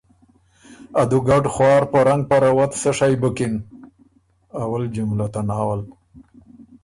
ا دُوګډ خوار په رنګ په رؤت سۀ شئ بُکِن۔